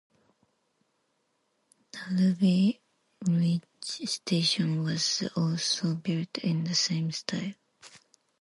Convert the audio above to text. The Ivy Ridge station was also built in the same style.